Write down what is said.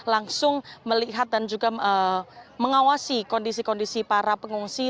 langsung melihat dan juga mengawasi kondisi kondisi para pengungsi